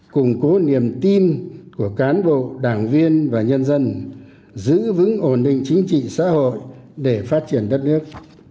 củng cố niềm tin của cán bộ đảng viên và nhân dân giữ vững ổn định chính trị xã hội để phát triển đất nước